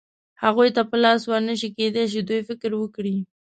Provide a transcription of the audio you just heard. هغوی ته په لاس ور نه شي، کېدای شي دوی فکر وکړي.